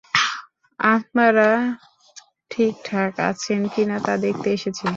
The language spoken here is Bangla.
আপনারা ঠিকঠাক আছেন কি না দেখতে এসেছি।